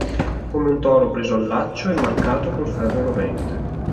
Come un toro preso al laccio e marcato col ferro rovente.